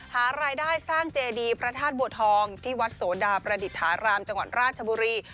หารายได้สร้างเจดีพระธาตุบัวทองที่วัดโสดาประดิษฐารามจังหวัดราชบุรี